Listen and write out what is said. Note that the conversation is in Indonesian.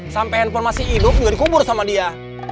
sampai informasi hidup juga dikubur sama dia